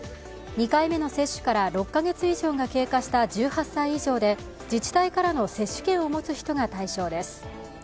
２回目の接種から６カ月以上が経過した１８歳以上で自治体からの接種券を持つ人が対象です。